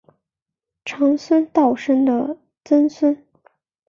长孙道生的曾孙。